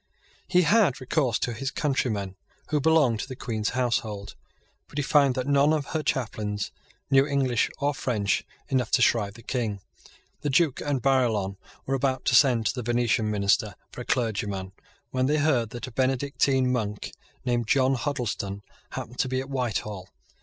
He had recourse to his countrymen who belonged to the Queen's household; but he found that none of her chaplains knew English or French enough to shrive the King. The Duke and Barillon were about to send to the Venetian Minister for a clergyman when they heard that a Benedictine monk, named John Huddleston, happened to be at Whitehall.